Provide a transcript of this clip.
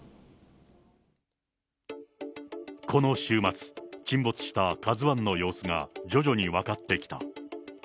この週末、沈没したカズワンの様子が徐々に分かってきた。